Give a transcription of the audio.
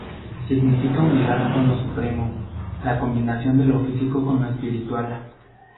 Significa unidad con lo supremo, la combinación de lo físico con lo espiritual.